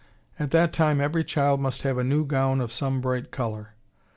At that time every child must have a new gown of some bright color.